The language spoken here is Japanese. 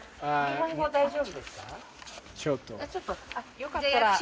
よかったら。